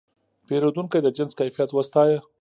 پیرودونکی د جنس کیفیت وستایه.